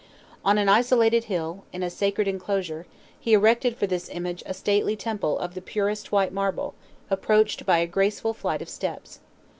On an isolated hill, in a sacred enclosure, he erected for this image a stately temple of the purest white marble, approached by a graceful flight of steps.